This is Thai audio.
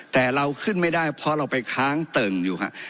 แต่เราขึ้นไม่ได้เพราะเราไปค้างเติ่งอยู่ฮะ